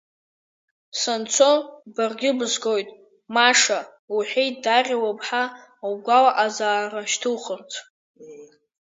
Санцо, баргьы бызгоит, Маша, — лҳәеит Дариа лыԥҳа лгәалаҟазаара шьҭылхырц.